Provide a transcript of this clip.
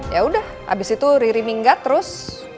ya udah abis itu riri minggat terus